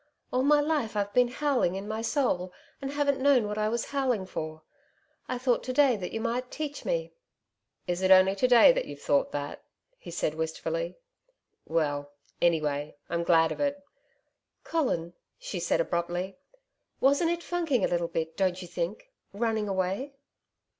All my life I've been howling in my soul and haven't known what I was howling for. I thought to day that you might teach me.' 'Is it only to day that you have thought that?' he said wistfully. 'Well, anyway, I'm glad of it.' 'Colin,' she said abruptly, 'wasn't it funking a little bit, don't you think running away?'